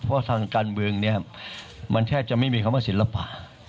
เพราะทางการเมืองเนี่ยมันแทบจะไม่มีคำว่าศิลปะ